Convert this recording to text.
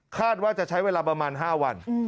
คาดว่าจะใช้เวลาประมาณ๕วัน